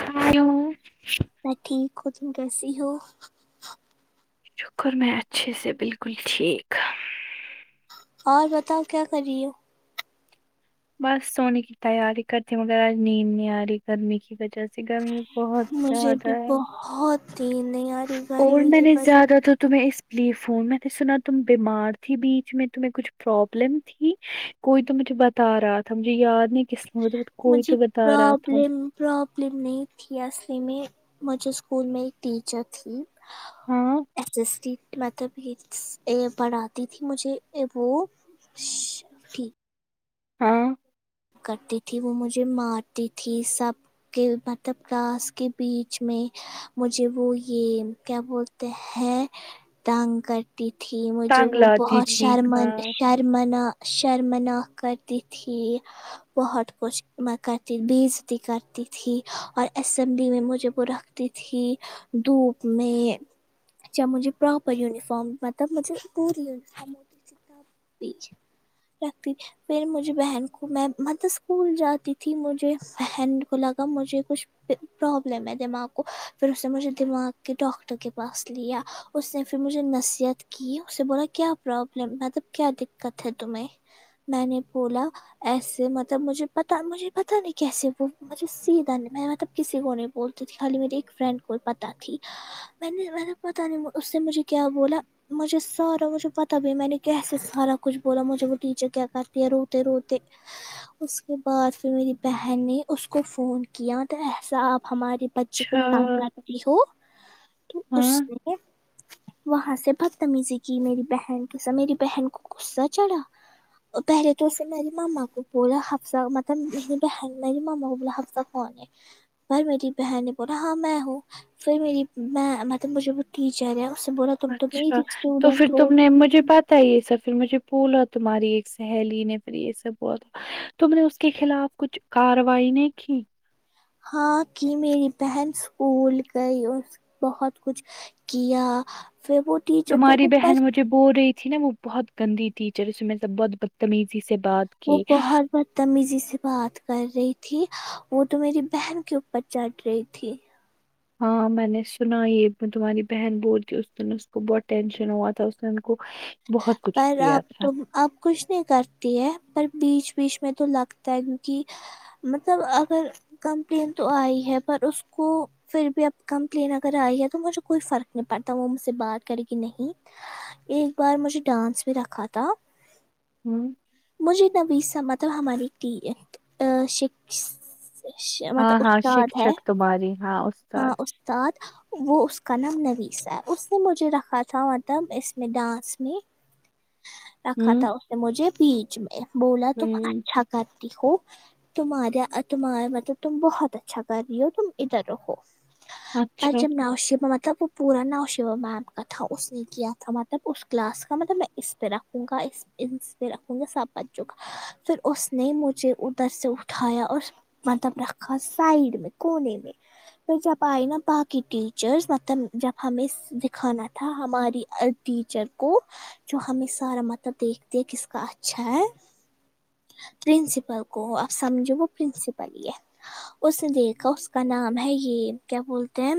[unintelligible] میں ٹھیک ہو تم کیسی ہو شکر میں اچھے سے بالکل ٹھیک اور بتاؤ کیا کر رہی ہو بس سونے کی تیاری کرتی مگر آج نیند نہیں آ رہی گرمی کی وجہ سے گرمی بہت مجھے زیادہ بھی ہے بہت نیند نئی ارہی اور میںنے زیادہ تو تمہیں اس لیے فون میں نے سنا تم بیمار تھی بیچ میں تمہیں کچھ پرابلم تھی کوئی تو مجھے بتا رہا تھا مجھے یاد نہیں کس نے کوئی مجھے تو بتا رہا تھا پرابلم پرابلم نہیں تھی اصلی میں مجھے اسکول میں ایک ٹیچر تھی ہاں اس اس تی مطلب یہ پڑھاتی تھی مجھے وہ ہ ہاں کرتی تھی وہ مجھے مارتی تھی سب کے مطلب کلاسس کے بیچ میں مجھے وہ یہ کیا بولتے ہیں دان تھی مجھے ٹانگ وہ لاتی بہت تھی شرم ہاں شر شرمنا شرمنا کرتی تھی [inaudible] بہت کچھ مکرتی بیزتی کرتی تھی اور اسمبلی میں مجھے وہ رکھ تی تھی دھوپ میں جب مجھے پراپر یونیفارم مطلب مجھے پوری یونیفارم رکھتی پھر مجھے بہن کو میں اسکول جاتی تھی مجھے بہن کو لگا مجھے کچھ پھر پرابلم ہے دماغ کو پھر اس نے مجھے دماغ کے ڈاکٹر کے پاس لیا اس نے پھر مجھے نصیحت کی اسے بولا کیا پرابلم مطلب کیا دقت ہے تمہیں میں نے بولا ایسے مطلب مجھے پتا مجھے پتا نہیں کیسے وہ مجھے سیدھا نہیں میں مطلب کسی کو نہیں بولتی تھی خالی میری ایک فرینڈ کو پتاہ تھی میں نے میں نے پتا نہیں اس سے مجھے کیا بولا مجھے سارا مجھے پتا بھی میں نے کیسے سارا کچھ بولا مجھے وہ ٹیچر کیا کرتی ہے روتے روتے [inaudible] اس کے بعد پھر میری بہن نے اس کو فون کیا تو ایسا آپ ہمارے بچی کو اچھا تنگ کرتی ہو تو اس ہاں نے وہاں سے بدتمیزی کی میری بہن کے ساتھ میری بہن کو غصہ چڑھا پہلے تو اسے میری ماما بولا حفصہ مطلب میری بہن مطلب ماما کو بولا حفصہ کون ہے پر میری بہن نے بولا ہاں میں ہوں پھر میری میں مطلب مجھے ٹیچر ہے اسنے بولا تم تو اچھا میری تو پھر اسٹوڈینٹ ہو تم نے مجھے بات یہ سب پھر مجھے بولا تمہاری ایک سہیلی نے پھر یہ سب بہت تو میں نے اس کے خلاف کچھ کاروائی نہیں کی ہاں کہ میری بہن اسکول گئی اور بہت کچھ کیا پھر وہ ٹیچر تو تمہاری اوپر بہن مجھے بول رہی تھی نا وہ بہت گندی ٹیچر اس میں سے بہت بدتمیزی سے بات وہ کی بہت بدتمیزی سے بات کر رہی تھی وہ تو میری بہن کے اوپر چڑھ رہی تھی ہاں میں نے سنا یہ تمہاری بہن بول تی اس دن اس کو بہت ٹینشن ہوا تھا اس دین کو بہت کچھ پر کیا آپ تھا تو آپ کچھ نہیں کرتی ہے پر بیچ بیچ میں تو لگتا ہے کیوںکہ مطلب اگر کمپلین تو آئی ہے پر اس کو پھر بھی اب کمپلین اگر آئی ہے تو مجھے کوئی فرق نہیں پڑتا وہ مجھ سے بات کرے گی نہیں ایک بار مجھے ڈانس بھی رکھا تھا ہوں مجھے تبھی سا مطلب ہماری شکس س اش ہاں مطلب ہاں استاد ہے شکشک تمہاری ہاں اس ہاں استاد وہ اسکا نام نویسہ ہے اسنے مجھے رکھا تھا مطلب اس میں ڈانس میں رکھا ہوں تھا اس نے مجھے بیچ میں بولا تم ہوں اچھا کرتی ہو تمہارا تمہارا مطلب تم بہت اچھا کر رہی ہو تم ادھر رہو پر اچھا جب نؤ شیما مطلب پورا ناشیوہ میم کا تھا اس نے کیا تھا مطلب اس کلاس کا مطلب میں اس پہ رکھوں گا اس اسمیں رکھوں گا سب بچوں کا پھر اس نے مجھے ادھر سے اٹھایا اور مطلب رکھا سائڈ میں کونے میں پر جب آئی نا باقی ٹیچرس مطلب جب ہمیں دکھانا تھا ہماری ٹیچر کو جو ہمیں سارا مطلب دیکھتے کس کا اچھا ہے پرنسپل کو آپ سمجھو وہ پرنسپل ہی ہے اس نے دیکھا اس کا نام ہے یہ کیا بولتے ہیں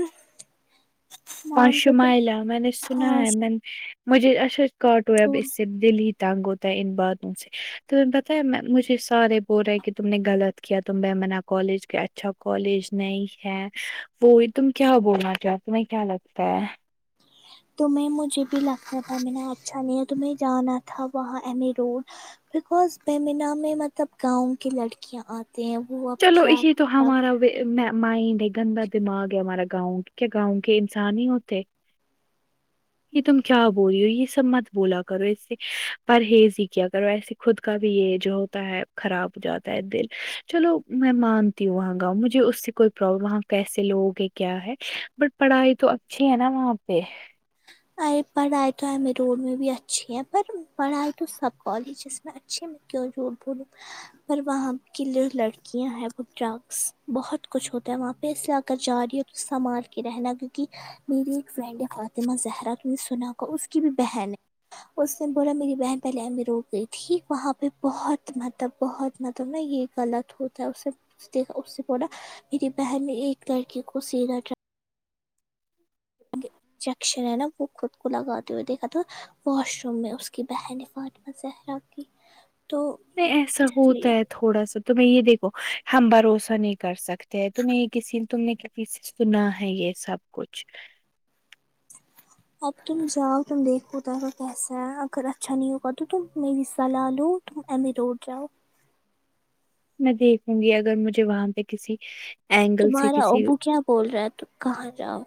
پانچ نام تو تم شمائلہ میں نے سنا ہاں ہے میں مجھے اچھا کاٹو اب اسکول اس سے دل ہی تنگ ہوتا ہے ان باتوں سے تم نے بتایا میں مجھے سارے بول رہے کہ تم نے غلط کیا تم میمنا کالج کے اچھا کالج نہیں ہے وہی تم کیا بولنا چاہتے تمہیں کیا لگتا ہے تو میں مجھے بھی لگتا تھا میںنے اچھا نہیں ہے تو میں جانا تھا وہاں M A road because Bemina میں مطلب گاؤں کی لڑکیاں آتے ہیں وہ اب چلو یہ تو ٹر ہمارا مائنڈ ہے گندا دماغ ہے ہمارا گاؤں کی کیا گاؤں کے انسان نہیں ہوتے یہ تم کیا بول رہی ہو یہ سب مت بولا کرو اس سے پرہیز ہی کیا کرو ایسے خود کا بھی یہ جو ہوتا ہے خراب جاتا تا ہے دل چلو میں مانتی ہوں وہاں گاؤں مجھے اس سے کوئی پرابلم وہاں کیسے لوگ ہیں کیا ہے بٹ پڑھائی تو اچھی ہے نا وہاں پہ ا پڑھائی تو ایم اے روڈ میں بھی اچھی ہے پر پڑھائی تو سب کالجز میں اچ اچھے میں کیوں جھوٹ بولوں پر وہاں کی جو لڑکیاں ہیں وہ ڈرگس بہت کچھ ہوتا ہے وہاں پہ اس طرح کر جا رہی ہے سمال کے رہنا کیونکی میری ایک فرینڈ فاطمہ زہر تم نے سنا کہ اس کی بھی بہن ہے اس نے بولا میری بہن پہلے ہمیں روک گئی تھی وہاں پہ بہت مطلب بہت مطلب نا یہ غلط ہوتا ہے اسے دیکھا اس سے بڑا میری بہن نے ایک لڑکے کو سا انجیکشن ہے نا وہ خود کو لگاتے ہوئے دیکھا تھا واش روم میں اس کی بہن ہیں فاطمہ ظہرا کی تو نہیں ایسا اس ہوتا لیے ہے تھوڑا سا تمہیں یہ دیکھو ہم بھروسہ نہیں کر سکت تمہ یہ کسی نے تم نے کسی سے سنا ہے یہ سب کچھ اب تم جاؤ تم دیکھو ادھر کیسا ہے اگر اچھا نہیں ہوگا تو تم میری صلاح لو تم ایمی اے روڈ جاؤ میں دیکھوں گی اگر مجھے وہاں پہ کسی اینگل سے تمہارا کسی ابو کیا بول رہا ہے تم کہاں جاؤ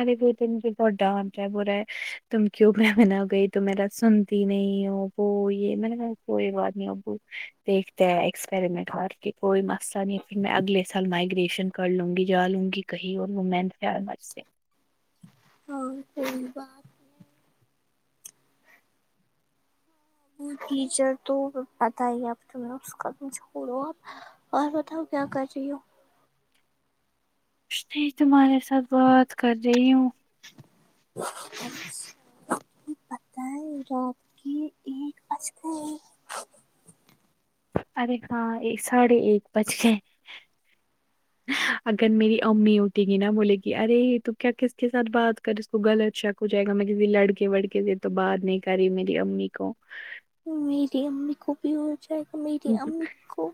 ارے وه تو مجھے بہت ڈانٹ بول رہا ہے تم کیوں میمونہ گئی تو میرا سنتی نہیں ہو وہ یہ میں نے کہا کوئی بات نہیں ابو دیکھتے ہے ایکسپریمنٹ کر کے کوئی مسئلہ نہیں ہے پھر میں اگلے سال مائگریشن کر لوں گی جا لوں گی کہیں اور وہومین [unintelligible] ہاں سہی بات ٹیچر تو پتا ہی اب تم اس کا تم چھوڑو اب اور بتاؤ کیا کر رہی ہو کچھ نہی تمہارے ساتھ بات کر رہی ہوں پتا ہے رات کے ایک پچ گے ارے ہاں ایک ساڑھے ایک بج گئے اگر میری امی اٹھنگی نا بولے گی ارے تو کیا کس کے ساتھ بات کار اس کو غلط شک ہو جائے گا میں کسی لڑکے وڑکے سے تو بات نہیں کری میری امی کو میری امی کو بھی ہو جائے گا میری امی کو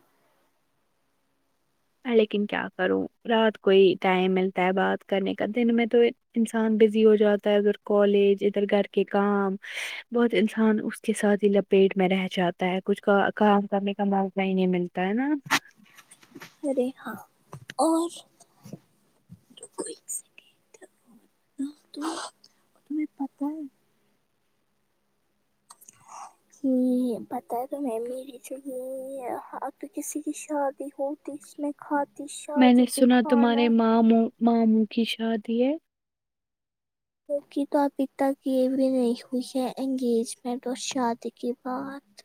لیکن کیا کروں رات کو ہی ٹائم ملتا ہے بات کرنے کا دن میں تو انسان بزی ہو جاتا ہے ادھر کالج ادھر گھر کے کام بہت انسان اس کے ساتھ ہی پیٹ میں رہ جاتا ہے کچھ کا کام کرنے کا موقع ہی نہیں ملتا ہے نا ارے ہاں اور کوئی تمہیں پتہ ہے کی پتے ہے تو میں میری چ تو کسی کی شادی ہو تی اس میں کھاتی میں نے شادی پہ سنا تمہارے کھانا ماموں ماموں کی شادی ہے جوکہ تو ابھی تک یہ بھی نہیں ہوئی ہے انگیجمنٹ اور شادی کے بعد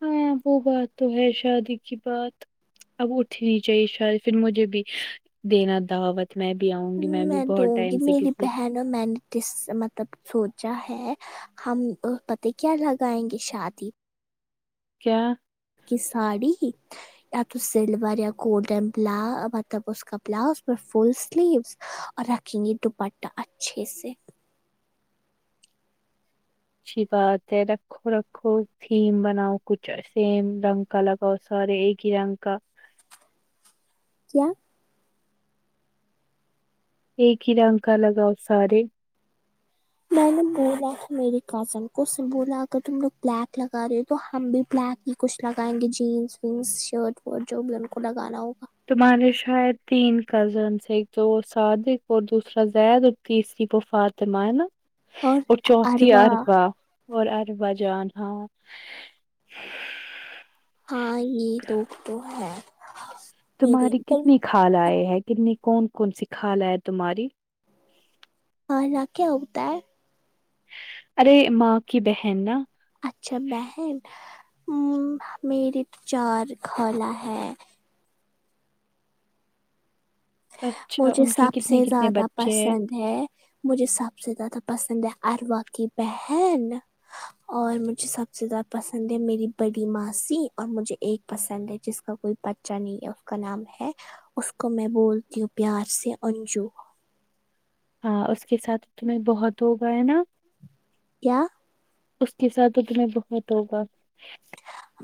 ہاں وہ بات تو ہے شادی کی بات اب اٹنی نہیں چاہیے شاید پھر مجھے بھی دینا دعوت میں بھی آؤں گی میں بھی بہت دوں گی ٹائم سے میری کسی بہن میں نے کس مطلب سوچا ہے ہم پتے کیا لگائیں گے شادی کیا کہ ساڑی یا تو سلور یا گولڈن بلا مطلب اس کا بلاؤز فل سلیوس اور رکھیں گے دوپٹہ اچھے سے اچھی بات ہے رکھ رکھو رکھو تھیم بناؤ کچھ سیم رنگ کا لگاؤ سارے ایک ہی رنگ کا کیا ایک ہی رن کا لگاؤ سارے میں نے بولا ہے میرری کزن کو اس سے بولا اگر تم لوگ بلیک لگا رہے ہو تو ہم بھی بلیک ہی کچھ لگائیں گے جینس وینس شرٹ وورٹ جو بھی ان کو لگانا ہوگا تمہارے شاید تین کزنس ایک دو سعد ایک اور دوسرا زید تیسری تو مفطمہ ہے نا اور چوتھی اروا اربا اور اربا جان ہاں ہاں یہ لوگ تو ہے میرے تمہاری پر کتنی کھالے ہے کتنی کون کون سی کال آ ہے تمہاری خالہ کیا ہوتا ہے ارے ماں کی بہن نا اچھا بہن میرریے تو چار خالہ ہے اچھا مجھے ان کے سب کتنے سے کتنے زیادہ بچے ہیں پسند ہے مجھے سب سے زیادہ پسند ہے اروا کی بہن اور مجھے سب سے زیادہ پسند ہے میری بڑی ماسی اور مجھے ایک پسند ہے جس کا کوئی بچا نہیں ہے اس کا نام ہے اس کو میں بولتی ہوں پیار سے انجو ہاں اس کے ساتھ تمہیں بہت ہو گیا ہے نا کیا اس کے ساتھ تو تمہیں بہت ہوگا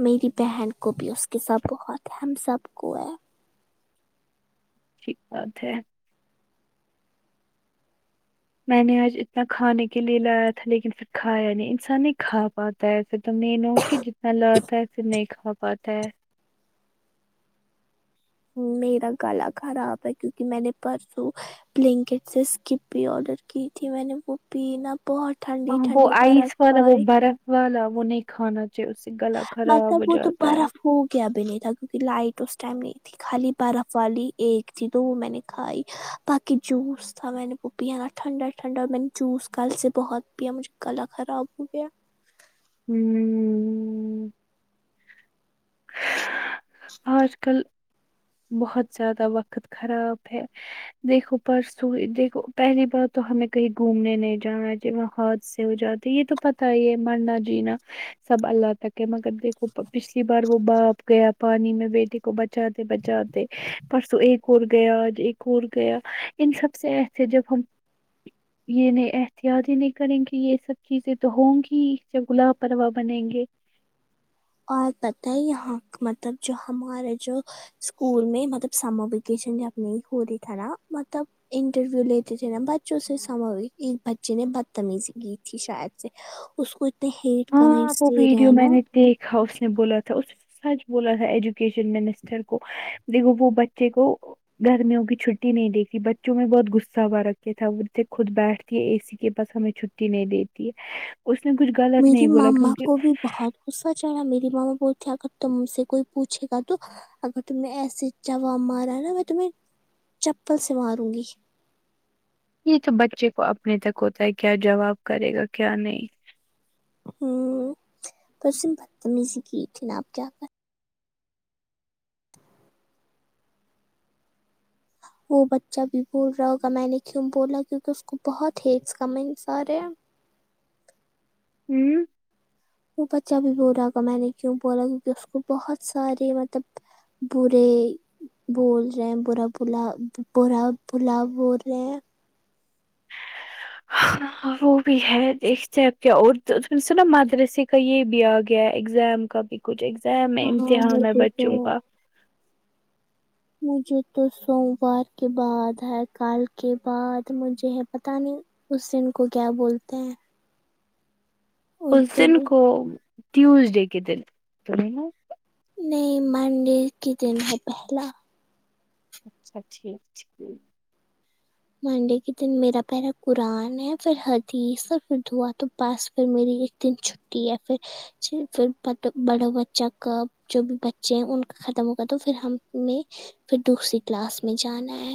میری بہن کو بھی اس کے سات بہت ہم سب کو ہے ٹھیک بات ہے میں نے آج اتنا کھانے کے لیے لایا تھا لیکن پھر کھایا نہیں انسان نہیں کھا پاتا تاہےتو مینوں کی جتنا لاتا ہے ایسے نہیں کھا پاتا ہے ہ میرا گلا خراب ہے کیونکہ م نے پرسوں بلینکٹ سے اسکپ بھی آڈر کی تھی میں نے وہ پینا بہت ٹھنڈی ٹھنڈی بارک اور ایک وا لا وہ نہیں کھانا چاہیے اسے گلا خراب مطلب ہو وہ تو جاتا ہے برف ہو گیا بھی نہیں تھا کیونکہ لائٹ اسس ٹائم نہیں تھی خالی برف والی ایک تھی دو وہ میں نے کھائی باقی جوس تھا میں نے وہ پیا نا ٹھنڈا ٹھنڈا میں نے جوس کل سے بہت پیا مجھے کلا خراب ہو گیا ہوں آج کل بہت زیادہ وقت خراب ہے دیکھو پرسو دیکھو پہلی بار تو ہمیں کہیں گھومنے نہیں جانا ہےچاہ وہاں ہ سے ہو جاتے یہ تو پتا ہی ہے مرناجینا سب اللہ تک ہے مگر دیکھو پچھلی بار وہ باپ گیا پانی میں بیٹے کو بچاتے بچاتے پرسوں ایک اور گیا آج ایک اور گیا ان سب سے ایسے جب ہم یہ نہیں احتیاط ہی نہیں کریں گی یہ سب چیزیں تو ہوں گی جب گلاب پروا بنیں گے اور پت ہے یہاں مطلب جو ہمارے جو اسکول میں مطلب سمر ویکیشنب نہیں ہو رہی تھا نا مطلب انٹرویو لیتے تھے نا بچوں سے سمو ایک بچے نے بدتمیزی کی تھی شاید سے اس کو اتنے ہیٹ کمینٹ دے رہہے ہے نا ہا اس نے بولا تھا اس سچ بولا تھا ایجوکیشن منسٹر کو دیکھو وہ بچے کو گرمیوں کی چھٹی نہیں دیکھی بچوں میں بہت غصہ ہوا رکھے تھا وہ تھے خود بیٹھ اے سی کے پاس ہمیں چھٹی نہیں دیتی ہے اس نے کچھ غلط میری نہیں بولا ماما کیونکہ کو بھی بہت اس کا واچھنا میری ماما بولتی اگر تم سے کوئی پوچھے گا تو اگر تمیں ایسے جواب مارا ہے نا میں تمہیں چپل سے ماروں گی یہ تو بچے کو اپنے تک ہوتا ہے کیا جواب کرے گا کیا نہیں ہوں پرسم بدتمی کی تھی نا آپ کیا کرے وہ بچہ بھی بول رہا ہوگا میں نے کیوں بولا کیوںکہ اس کو بہت ہیٹز کمیٹس آر ہے ہوں وہ بچہ بھی بولارا ہو گا میں نے کیوں بولا کیونکہ اس کو بہت سارے مطلب بورے بول رہے ہیں برا بلا برا بلا بول رہے ہیں ہاں وہ بھی ہے دیکھتے ہے اب کیا اور سے نا مدرس کا یہ بھی آ گیا ہے ایگزام کا بھی کچھ ایگزام ہے ہاں امتحان ہے مجھے تو بچوں کا مجھے تو سوموار کے بعد ہے کل کے بعد مجھےہے پتہ نہیں اس دن کو کیا بولتے ہیں اس اردو دن کو میں ٹیوزڈے کے دن نہیں منڈے کے دن ہے پہلا اچھا ٹھیک ٹھیک منڈے کے دن میرا پہرا قرآن ہے پھر حدیث اور پھر دعاتو بس پھر میریط دن چھٹی ہے پھر پھر باتا بڑوں بچہ کا جو بھی بچے ہیں ان کا ختم ہو گا تو پھر ہم میں پھر دوسری کلاس میں جانا ہے